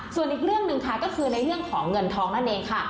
ส่วนอีกเรื่องหนึ่งค่ะก็คือในเรื่องของเงินทองนั่นเองค่ะ